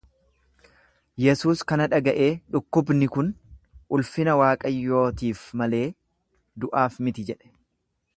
Yesuus kana dhaga'ee, Dhukkubni kun ulfina Waaqayyootiif malee du'aaf miti jedhe.